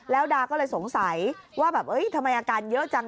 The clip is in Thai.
แล้วดาก็เลยสงสัยว่าแบบทำไมอาการเยอะจัง